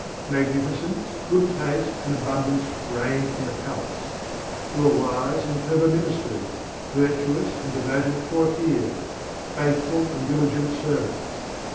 Magnificence, good taste, and abundance reigned in the palace; there were wise and clever ministers, virtuous and devoted courtiers, faithful and diligent servants.